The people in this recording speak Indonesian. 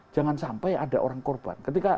jangan sampai ada orang korban ketika